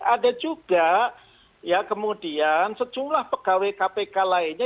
ada juga ya kemudian sejumlah pegawai kpk lainnya